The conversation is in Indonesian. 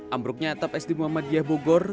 ambruknya atap sd muhammadiyah bogor